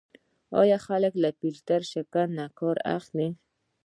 خو خلک له فیلټر شکن کار اخلي.